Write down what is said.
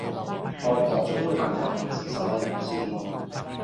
外婆總會問今天是什麼日子？